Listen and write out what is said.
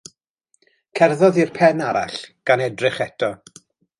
Cerddodd i'r pen arall, gan edrych eto.